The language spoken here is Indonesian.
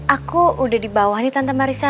aku udah di bawah nih tante marisa